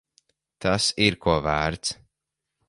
Tas ir ko vērts.